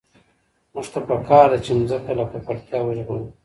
موږ ته په کار ده چي مځکه له ککړتیا وژغورو.